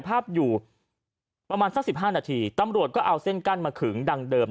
ภาพอยู่ประมาณสัก๑๕นาทีตำรวจก็เอาเส้นกั้นมาขึงดังเดิม